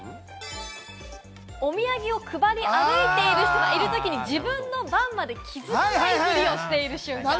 お土産を配り歩いている人がいるときに自分の番まで気付かないふりをしている瞬間。